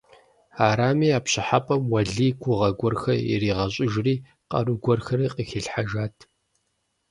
Арами, а пщӀыхьэпӀэм Уэлий гугъэ гуэрхэр иригъэщӀыжри къару гуэрхэри къыхилъхьэжат.